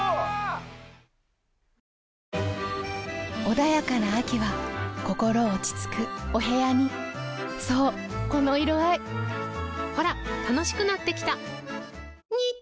穏やかな秋は心落ち着くお部屋にそうこの色合いほら楽しくなってきた！